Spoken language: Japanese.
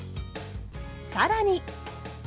更に。